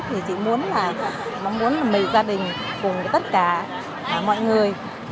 thì chị muốn là mấy gia đình cùng tất cả mọi người